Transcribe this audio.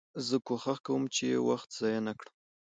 زه کوښښ کوم، چي وخت ضایع نه کړم.